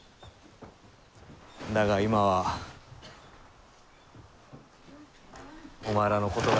だが今はお前らのことが。